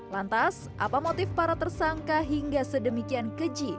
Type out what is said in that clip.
lantas apa motif para tersangka hingga sedemikian keji